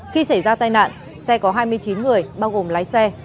khi xảy ra tai nạn xe có hai mươi chín người bao gồm lái xe